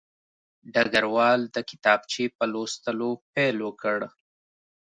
ډګروال د کتابچې په لوستلو پیل وکړ